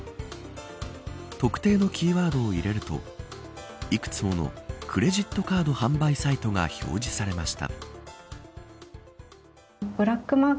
特定のキーワードを入れるといくつものクレジットカード販売サイトが表示されました。